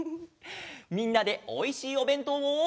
みんなでおいしいおべんとうを。